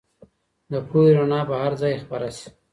د پوهې رڼا به هر ځای خپره سي.